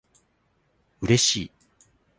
嬉しい